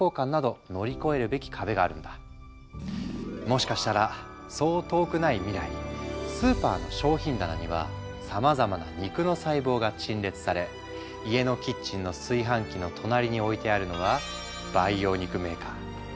もしかしたらそう遠くない未来スーパーの商品棚にはさまざまな肉の細胞が陳列され家のキッチンの炊飯器の隣に置いてあるのは培養肉メーカー。